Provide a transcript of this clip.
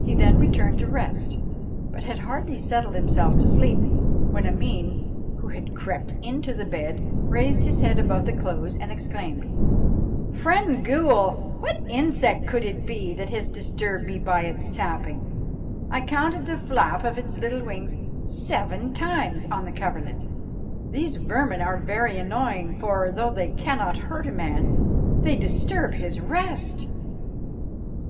He then returned to rest, but had hardly settled himself to sleep, when Ameen, who had crept into the bed, raised his head above the clothes and exclaimed, "Friend ghool, what insect could it be that has disturbed me by its tapping? I counted the flap of its little wings seven times on the coverlet. These vermin are very annoying, for, though they cannot hurt a man, they disturb his rest!"